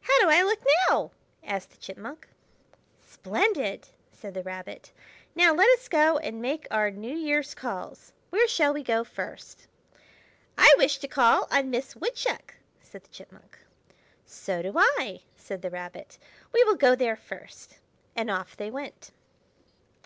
"How do I look now?" asked the Chipmunk. "Splendid!" said the Rabbit. "Now let us go and make our New Year's calls. Where shall we go first?" "I wish to call on Miss Woodchuck!" said the Chipmunk. "So do I," said the Rabbit. "We will go there first." And off they went.